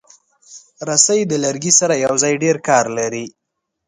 رسۍ د لرګي سره یوځای ډېر کار لري.